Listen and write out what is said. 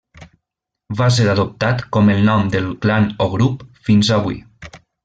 Va ser adoptat com el nom del clan o grup fins avui.